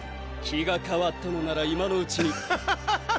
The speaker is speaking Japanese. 気が変わったのなら今のうちにーー。